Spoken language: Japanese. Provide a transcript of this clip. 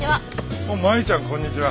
麻友ちゃんこんにちは。